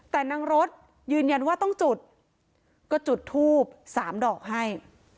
แต่นางรถยืนยันว่าต้องจุดก็จุดทูบ๓ดอกให้